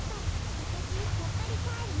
わたしやっぱりかえるね。